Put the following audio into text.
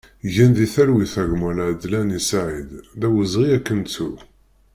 Gen di talwit a gma Laadlani Saïd, d awezɣi ad k-nettu!